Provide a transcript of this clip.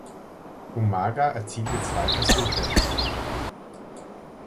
Umaga erzielte zwei Versuche.